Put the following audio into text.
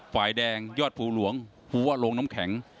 ฝ่ายแดงยอดภูหลวงภูวะโรงน้ำแข็ง